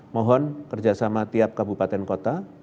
mohon kerjasama tiap kabupaten kota